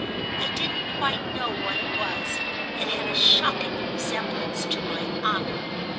I didn't quite know what it was—it had a shocking resemblance to my honour.